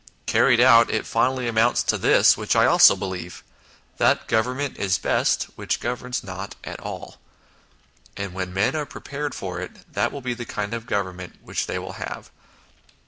Carried out, it finally amounts to this, which also I believe, ' That Government is best which governs not at all '; and when men are prepared for it, that will be the kind of Government which they will have.